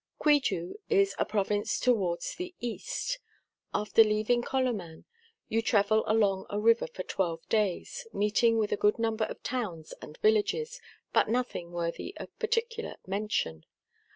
CuiJL' is a province towards the East. After leaving Co loman you travel along a river for 12 clays, meeting with a good number of towns and villages, but nothing worthy of particular mention.